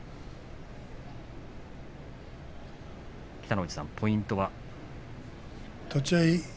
北の富士さんポイントは？